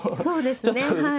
そうですねはい。